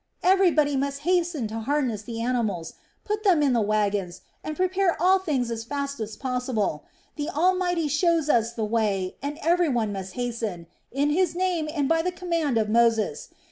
Everybody must hasten to harness the animals, put them in the wagons, and prepare all things as fast as possible. The Almighty shows us the way, and every one must hasten, in His name and by the command of Moses.